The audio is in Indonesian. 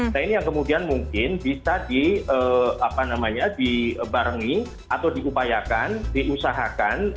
nah ini yang kemudian mungkin bisa dibarengi atau diupayakan diusahakan